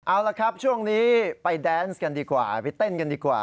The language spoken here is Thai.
เอาละครับช่วงนี้ไปแดนส์กันดีกว่าไปเต้นกันดีกว่า